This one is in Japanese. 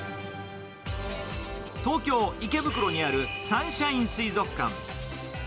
東京・池袋にあるサンシャイン水族館。